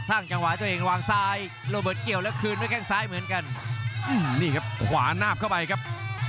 พยายามทุบด้วยฮุกสายครับ